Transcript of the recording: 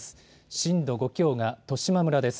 震度５強が十島村です。